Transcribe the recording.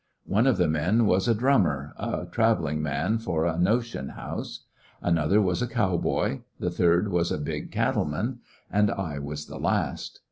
One of the men was a *^ drummer/' a travel ling man for a notion house j another was a cowboy J the third was a big cattle man ; and I was the last.